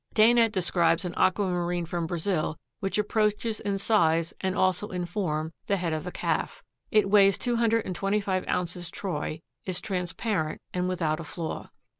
Dana describes an aquamarine from Brazil which approaches in size, and also in form, the head of a calf. It weighs two hundred and twenty five ounces troy, is transparent and without a flaw.